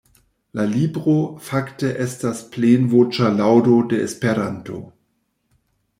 La libro fakte estas plenvoĉa laŭdo de Esperanto.